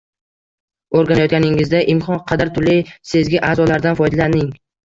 O‘rganayotganingizda imkon qadar turli sezgi a’zolaridan foydalaning.